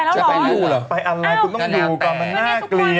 จะไปอยู่เหรอไปอะไรคุณต้องดูก่อนมันน่าเกลีย